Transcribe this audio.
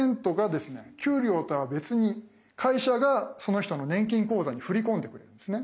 給料とは別に会社がその人の年金口座に振り込んでくれるんですね。